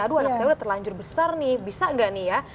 aduh anak saya udah terlanjur besar nih bisa nggak nih ya